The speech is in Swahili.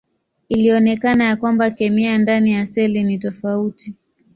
Ilionekana ya kwamba kemia ndani ya seli ni tofauti.